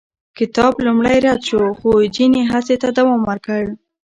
کتاب لومړی رد شو، خو جین یې هڅې ته دوام ورکړ.